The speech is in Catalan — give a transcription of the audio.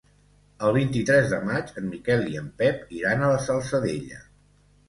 El vint-i-tres de maig en Miquel i en Pep iran a la Salzadella.